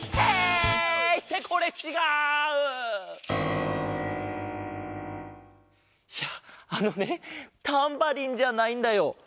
いやあのねタンバリンじゃないんだよ。